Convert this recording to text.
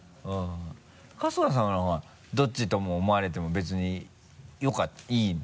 春日さんはなんかどっちとも思われても別にいいの？